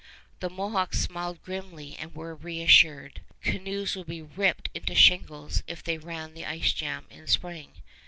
The Mohawks smiled grimly and were reassured. Canoes would be ripped into shingles if they ran the ice jam of spring.